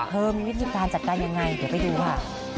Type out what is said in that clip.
มีวิธีการจัดการยังไงเดี๋ยวไปดูค่ะ